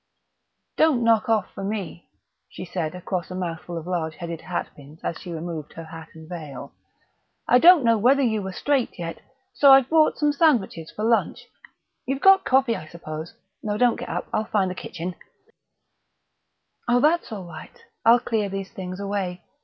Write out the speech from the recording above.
"Don't knock off for me," she said across a mouthful of large headed hatpins as she removed her hat and veil. "I didn't know whether you were straight yet, so I've brought some sandwiches for lunch. You've got coffee, I suppose? No, don't get up I'll find the kitchen " "Oh, that's all right, I'll clear these things away.